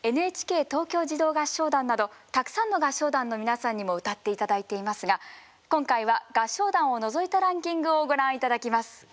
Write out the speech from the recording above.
ＮＨＫ東京児童合唱団などたくさんの合唱団の皆さんにも歌って頂いていますが今回は合唱団を除いたランキングをご覧頂きます。